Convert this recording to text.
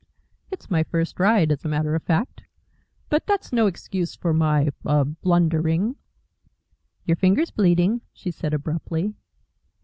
"It's my first ride, as a matter of fact. But that's no excuse for my ah! blundering " "Your finger's bleeding," she said, abruptly.